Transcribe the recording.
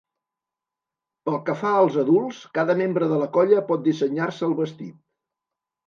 Pel que fa als adults, cada membre de la colla pot dissenyar-se el vestit.